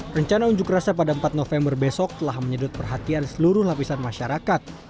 rencana unjuk rasa pada empat november besok telah menyedot perhatian seluruh lapisan masyarakat